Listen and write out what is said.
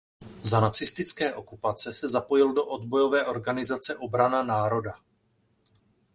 Za nacistické okupace se zapojil do odbojové organizace Obrana národa.